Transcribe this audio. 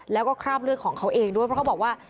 แล้วก็คราบเลือดของเขาเองด้วยเพราะเขาบอกว่า